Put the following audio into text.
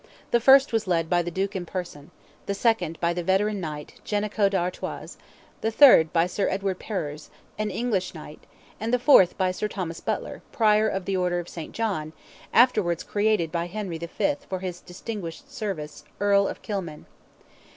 The first was led by the Duke in person; the second by the veteran knight, Jenico d'Artois, the third by Sir Edward Perrers, an English knight, and the fourth by Sir Thomas Butler, Prior of the Order of Saint John, afterwards created by Henry V., for his distinguished service, Earl of Kilmain.